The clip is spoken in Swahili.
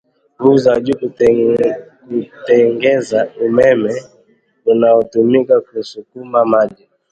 nguvu za jua na kutengeza umeme unaotumika kusukuma maji